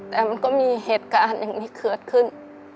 แต่มันก็มีเหตุการณ์อย่างนี้เกิดขึ้น